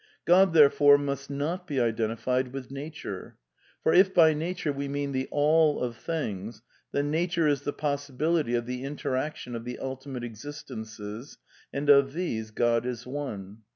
God, therefore, must not be iden tified with Nature. For if by Nature we mean the All of things, then Nature is the possibility of the interaction of the ultimate existences, and of these God is one.